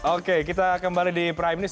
oke kita kembali di prime news